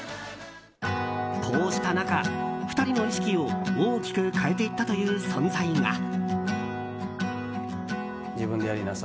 こうした中、２人の意識を大きく変えていったという存在が。